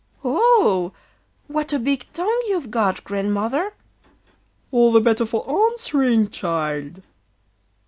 'Oh! what a big tongue you've got, Grandmother!' 'All the better for answering, child.